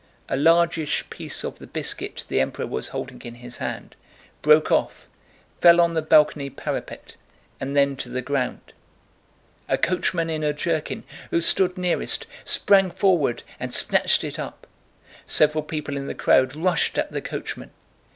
A largish piece of the biscuit the Emperor was holding in his hand broke off, fell on the balcony parapet, and then to the ground. A coachman in a jerkin, who stood nearest, sprang forward and snatched it up. Several people in the crowd rushed at the coachman.